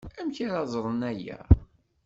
Amek ara ẓren aya?